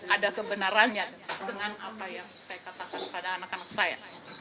ada kebenarannya dengan apa yang saya katakan pada anak anak saya